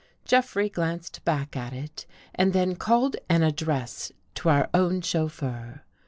Jeffrey glanced back at it and then called an ad dress to our own chauffeur.